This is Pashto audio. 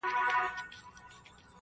زموږ پر کور باندي چي غم دی خو له ده دی-